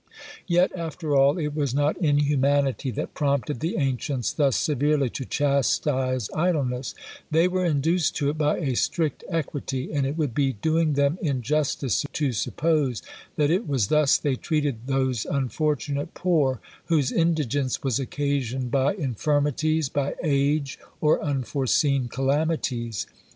Yet, after all, it was not inhumanity that prompted the ancients thus severely to chastise idleness; they were induced to it by a strict equity, and it would be doing them injustice to suppose, that it was thus they treated those unfortunate poor, whose indigence was occasioned by infirmities, by age, or unforeseen calamities.